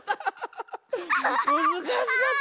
むずかしかった！